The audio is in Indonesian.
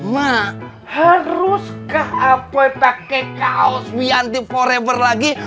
mak haruskah apoy pake kaos wianti forever lagi